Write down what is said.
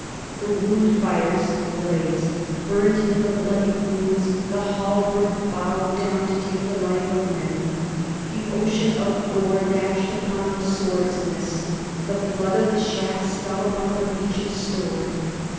The wound fires [blades] burnt in the bloody wounds, the halberds bowed down to take the life of men, the ocean of gore dashed upon the swords' ness, the flood of the shafts fell upon the beach of Stord.